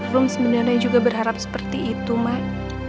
rum sebenarnya juga berharap seperti itu mak